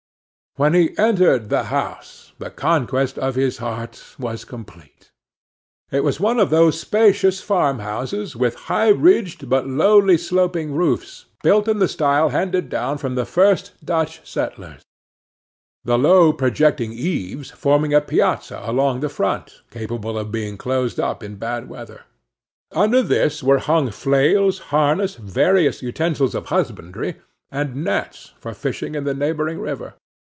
When he entered the house, the conquest of his heart was complete. It was one of those spacious farmhouses, with high ridged but lowly sloping roofs, built in the style handed down from the first Dutch settlers; the low projecting eaves forming a piazza along the front, capable of being closed up in bad weather. Under this were hung flails, harness, various utensils of husbandry, and nets for fishing in the neighboring river.